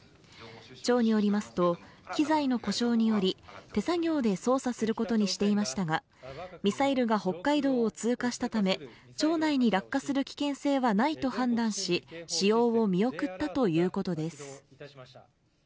町によりますと機材の故障により手作業で操作することにしていましたがミサイルが北海道を通過したため町内に落下する危険性はないと判断し使用を見送ったということです